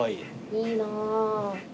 いいなあ。